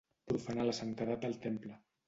Profanar la santedat del temple.